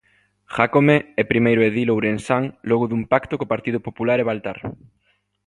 Jácome é primeiro edil ourensán logo dun pacto co Partido Popular e Baltar.